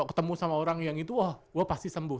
ketemu sama orang yang itu wah gue pasti sembuh